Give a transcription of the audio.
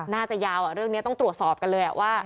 น่าจะยาวเรื่องนี้ต้องตรวจสอบกันเลยว่า